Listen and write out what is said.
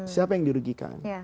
siapa yang dirugikan